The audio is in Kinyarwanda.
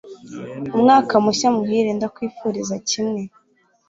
"Umwaka mushya muhire!" "Ndakwifuriza kimwe!"